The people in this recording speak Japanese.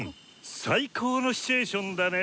最高のシチュエーションだね！